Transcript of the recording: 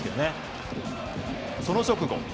その直後。